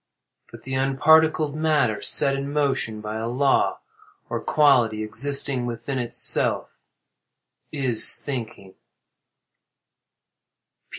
But the unparticled matter, set in motion by a law, or quality, existing within itself, is thinking.